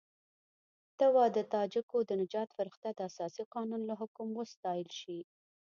ته وا د تاجکو د نجات فرښته د اساسي قانون له حکم وستایل شي.